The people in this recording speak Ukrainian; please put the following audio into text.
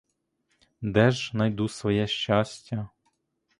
Де — ж найду своє щастя?